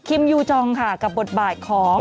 ยูจองค่ะกับบทบาทของ